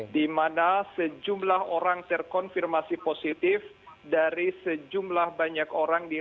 di mana sejumlah orang terkonfirmasi positif dari sejumlah banyak orang